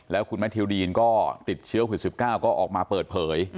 แล้วคุณแมททิวดีนก็ติดเชื้อโควิด๑๙ก็ออกมาเปิดเผย